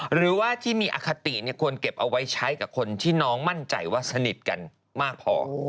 หรือว่าที่มีอคติควรเก็บเอาไว้ใช้กับคนที่น้องมั่นใจว่าสนิทกันมากพอ